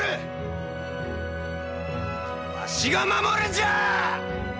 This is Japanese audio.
わしが守るんじゃあ！